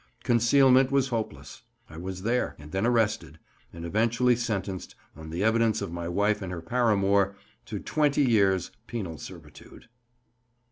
Concealment was hopeless. I was there and then arrested, and eventually sentenced, on the evidence of my wife and her paramour, to 'twenty years' penal servitude.